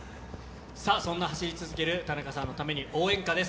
そんな走り続ける田中さんのために、応援歌です。